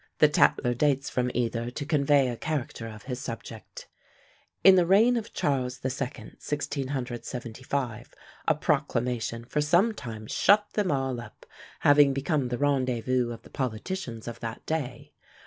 The Tatler dates from either to convey a character of his subject. In the reign of Charles the Second, 1675, a proclamation for some time shut them all up, having become the rendezvous of the politicians of that day.